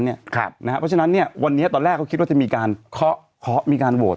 เพราะฉะนั้นวันนี้ตอนแรกเขาคิดว่าจะมีการเคาะมีการโหวต